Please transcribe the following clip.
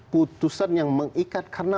putusan yang mengikat karena